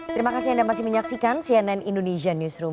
terima kasih anda masih menyaksikan cnn indonesia newsroom